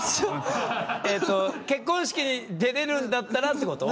結婚式出れるんだったらってこと？